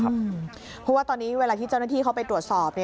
เพราะว่าตอนนี้เวลาที่เจ้าหน้าที่เขาไปตรวจสอบ